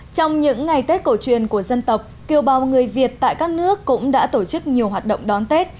trong những ngày tết cổ truyền của dân tộc kiều bào người việt tại các nước cũng đã tổ chức nhiều hoạt động đón tết